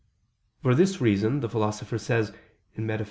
For this reason the Philosopher says (Metaph.